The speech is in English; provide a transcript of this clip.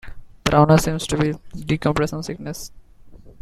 Taravana seems to be decompression sickness.